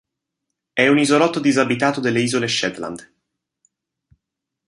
É un isolotto disabitato delle Isole Shetland.